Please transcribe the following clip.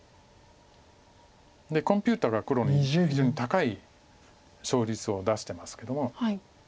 コンピューターが黒に非常に高い勝率を出してますけども。